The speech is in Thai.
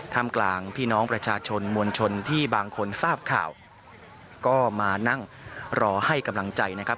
ทำกลางพี่น้องประชาชนมวลชนที่บางคนทราบข่าวก็มานั่งรอให้กำลังใจนะครับ